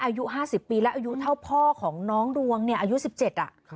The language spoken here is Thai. อายุ๕๐ปีแล้วอายุเท่าพ่อของน้องดวงเนี่ยอายุ๑๗อ่ะ